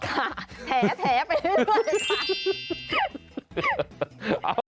ค่ะแถไปด้วยก่อน